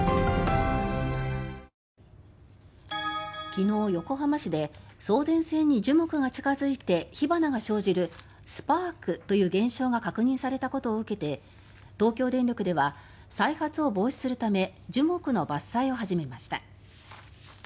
昨日、横浜市で送電線に樹木が近付いて火花が生じるスパークという現象が確認されたことを受けて東京電力では再発を防止するため樹木の伐採を始めました。